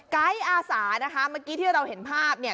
ไก๊อาสานะคะเมื่อกี้ที่เราเห็นภาพเนี่ย